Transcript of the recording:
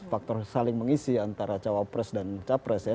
faktor saling mengisi antara cawapres dan capres ya